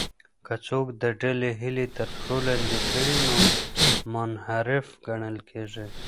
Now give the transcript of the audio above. که څوک د ډلې هیلې تر پښو لاندې کړي نو منحرف ګڼل کیږي.